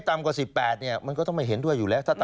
ต่ำกว่า๑๘มันก็ไม่เห็นด้วยอยู่แล้ว